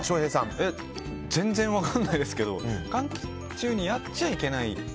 全然分かんないですけど換気中にやっちゃいけない。